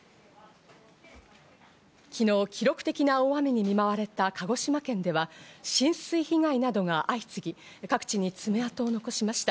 昨日、記録的な大雨に見舞われた鹿児島県では浸水被害などが相次ぎ、各地に爪痕を残しました。